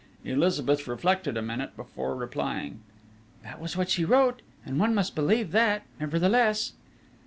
Elizabeth reflected a minute before replying: "That was what she wrote and one must believe that, nevertheless